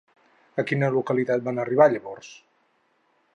A quina localitat van arribar llavors?